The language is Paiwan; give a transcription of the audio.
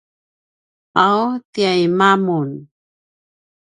’aw tiaima mun?